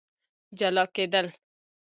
جلا کېدل